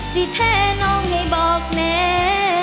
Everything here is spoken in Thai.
สิแท้น้องให้บอกแม่